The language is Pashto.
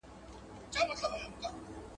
ځيني غټي کورنۍ وي او ښه اقتصادي معيشت هم لري.